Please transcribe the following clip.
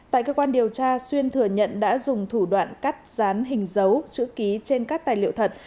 tại cơ quan điều tra xuyên thừa nhận đã dùng thủ đoạn cắt dán hình giấu chữ ký trên các tài liệu thật